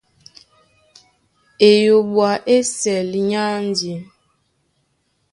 Eyoɓo á ésɛl é anji.